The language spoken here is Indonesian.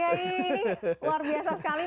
luar biasa sekali